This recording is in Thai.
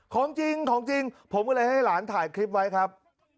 ของจริงของจริงผมก็เลยให้หลานถ่ายคลิปไว้ครับ